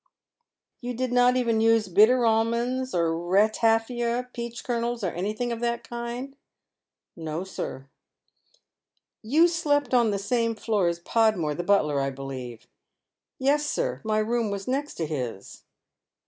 " You did not even use bitter almonds, or ratafia, peach kernels, ©r anything of that kind ?"" No, sir." " You slept on the same floor as Podmore, the butler, I believe ?"" Yes, sir, my room was next to his."